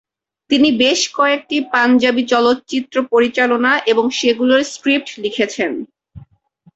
তিনি বেশ কয়েকটি পাঞ্জাবি চলচ্চিত্র পরিচালনা এবং সেগুলোর স্ক্রিপ্ট লিখেছেন।